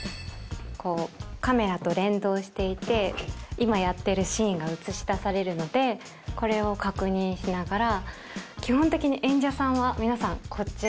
「カメラと連動していて今やってるシーンが映し出されるのでこれを確認しながら」「基本的に演者さんは皆さんこっち側のソファで」